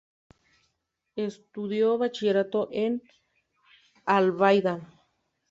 Estudió bachillerato en Albaida.